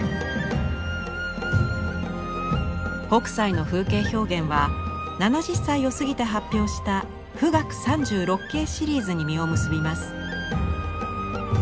北斎の風景表現は７０歳を過ぎて発表した「冨嶽三十六景」シリーズに実を結びます。